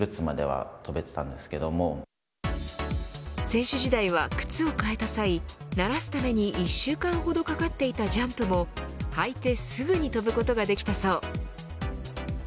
選手時代は靴を替えた際慣らすために１週間ほどかかっていたジャンプも履いてすぐに跳ぶことができたそう。